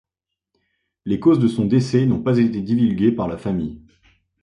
Les causes de son décès n'ont pas été divulguées par la famille.